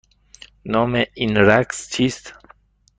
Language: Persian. نام این رقص چیست؟